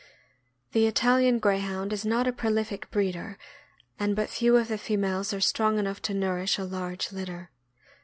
The Italian Greyhound is not a prolific breeder, and but few of the females are strong enough to nourish a large litter.